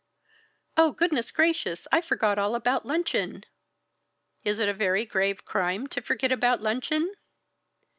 "Oh, goodness gracious! I forgot all about luncheon!" "Is it a very grave crime to forget about luncheon?"